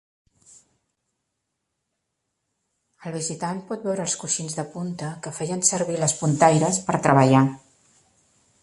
El visitant pot veure els coixins de punta que feien servir les puntaires per treballar.